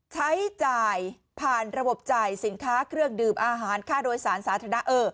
ใช้จ่ายผ่านระบบจ่ายสินค้าเครื่องดื่มอาหารค่าโดยสารสาธารณะ